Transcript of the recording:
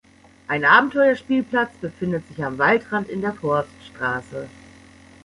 Ein Abenteuerspielplatz befindet sich am Waldrand in der Forststraße.